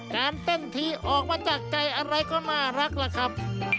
การเต้นทีออกมาจากใจอะไรก็น่ารักล่ะครับ